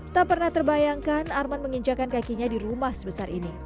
tak pernah terbayangkan arman menginjakan kakinya di rumah sebesar ini